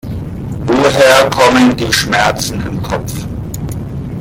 Woher kommen die Schmerzen im Kopf?